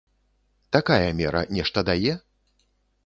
Такая мера нешта дае?